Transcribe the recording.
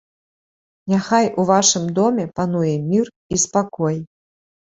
Няхай у вашым доме пануе мір і спакой.